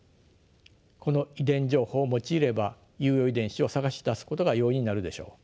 この遺伝情報を用いれば有用遺伝子を探し出すことが容易になるでしょう。